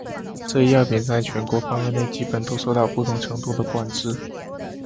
这一药品在全球范围内基本都受到不同程度的管制。